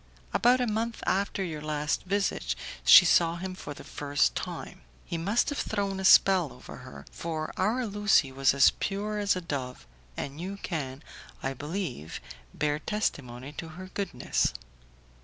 "About a month after your last visit she saw him for the first time. He must have thrown a spell over her, for our Lucie was as pure as a dove, and you can, I believe, bear testimony to her goodness."